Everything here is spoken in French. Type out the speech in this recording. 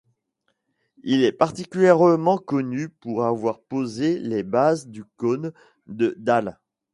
Il est particulièrement connu pour avoir posé les bases du cône de Dale.